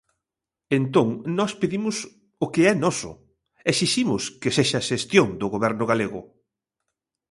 Entón, nós pedimos o que é noso, exiximos que sexa xestión do Goberno galego.